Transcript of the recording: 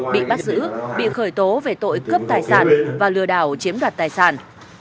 bị bắt giữ bị khởi tố về tội cướp tài sản và lừa đảo chiếm đoạt tài sản